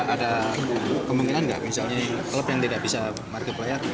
ada kemungkinan tidak misalnya klub yang tidak bisa marki player